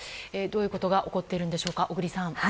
どういうことが起こっているんでしょうか小栗さん。